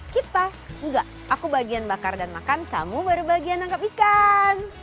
kita enggak aku bagian bakar dan makan kamu baru bagian menangkap ikan